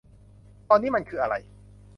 ตอนนี้มันคืออะไร